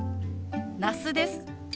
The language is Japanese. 那須です。